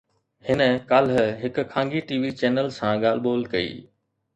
هن ڪالهه هڪ خانگي ٽي وي چينل سان ڳالهه ٻولهه ڪئي